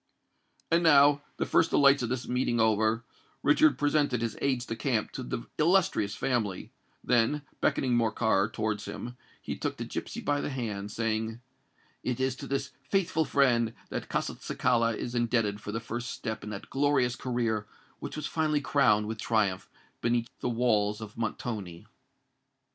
And now, the first delights of this meeting over, Richard presented his aides de camp to the illustrious family; then, beckoning Morcar towards him, he took the gipsy by the hand, saying, "It is to this faithful friend that Castelcicala is indebted for the first step in that glorious career which was finally crowned with triumph beneath the walls of Montoni."